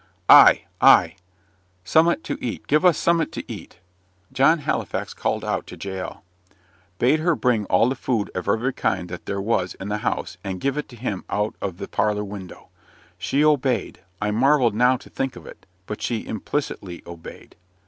"Ay ay! Some'at to eat; give us some'at to eat." John Halifax called out to Jael; bade her bring all the food of every kind that there was in the house, and give it to him out of the parlour window. She obeyed I marvel now to think of it but she implicitly obeyed.